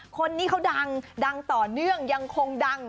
คนนี้เขาดังดังต่อเนื่องยังคงดัง